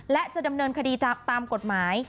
และจะดำเนินคดีตามกฎหมาย